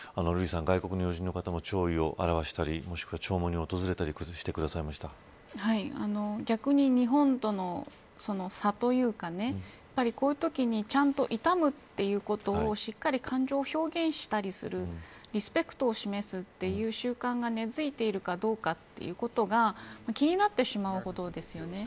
外国の要人の方も弔意を表したり弔問に訪れたり逆に日本との差というかこういうときにちゃんと悼むということをしっかり感情を表現したりするリスペクトを示すという習慣が根付いているかどうかということが気になってしまうほどですよね。